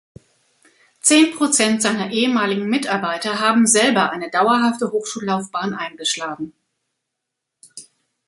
Zehn Prozent seiner ehemaligen Mitarbeiter haben selber eine dauerhafte Hochschullaufbahn eingeschlagen.